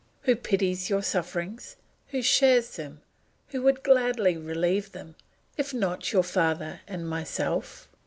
Who pities your sufferings, who shares them, who would gladly relieve them, if not your father and myself?